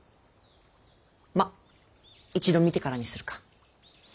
まぁ一度見てからにするか。